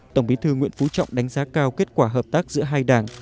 tổng bí thư nguyễn phú trọng đánh giá cao kết quả hợp tác giữa hai đảng